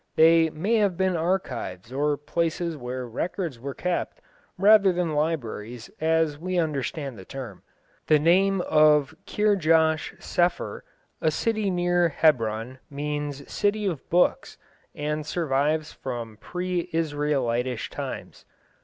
They may have been archives or places where records were kept, rather than libraries as we understand the term. The name of Kirjath sepher, a city near Hebron, means "city of books," and survives from pre Israelitish times.